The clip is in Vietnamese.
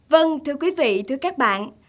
vâng thưa quý vị thưa các bạn